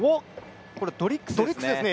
ドリッグスですね。